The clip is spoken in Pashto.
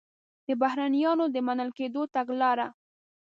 د بهرنیانو د منل کېدلو تګلاره